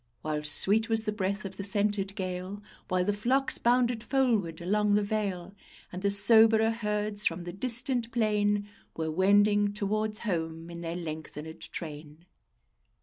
While sweet was the breath of the scented gale; While the flocks bounded foldwards along the vale, And the soberer herds from the distant plain Were wending towards home in their lengthened train.